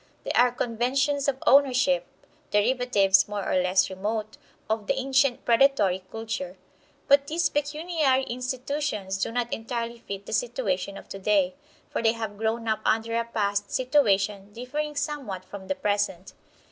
They are conventions of ownership; derivatives, more or less remote, of the ancient predatory culture. But these pecuniary institutions do not entirely fit the situation of today, for they have grown up under a past situation differing somewhat from the present.